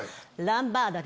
ランバーダ？